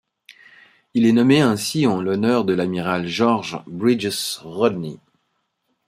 Il est nommé ainsi en l'honneur de l'amiral George Brydges Rodney.